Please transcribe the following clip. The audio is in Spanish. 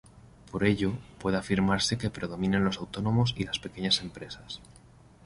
Por ello, puede afirmarse que predominan los autónomos y las pequeñas empresas.